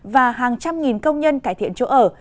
và hàng trăm nghìn công nhân cải thiện chỗ ở